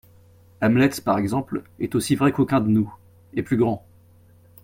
Hamlet, par exemple, est aussi vrai qu’aucun de nous, et plus grand.